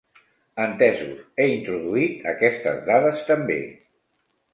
Entesos, he introduït aquestes dades també.